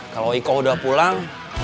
kalau iko udah pulang